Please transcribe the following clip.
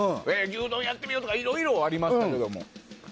牛丼やってみようとかいろいろありましたけども。